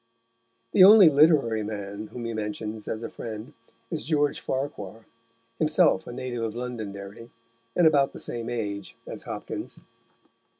The only literary man whom he mentions as a friend is George Farquhar, himself a native of Londonderry, and about the same age as Hopkins.